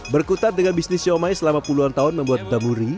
berkutat dengan bisnis siomay selama puluhan tahun membuat damuri